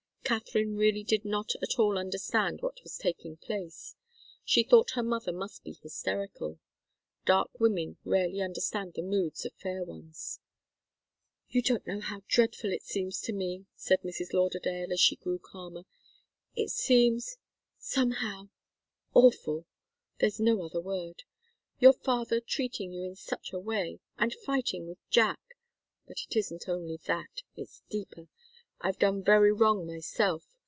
Katharine really did not at all understand what was taking place. She thought her mother must be hysterical. Dark women rarely understand the moods of fair ones. "You don't know how dreadful it seems to me," said Mrs. Lauderdale, as she grew calmer. "It seems somehow awful! There's no other word. Your father treating you in such a way and fighting with Jack! But it isn't only that it's deeper. I've done very wrong myself.